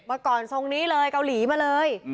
เมื่อก่อนทรงนี้เลยเกาหลีมาเลย